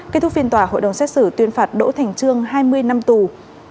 kết thúc phiên tòa hội đồng xét xử tuyên phạt đỗ thành trương hai mươi năm tù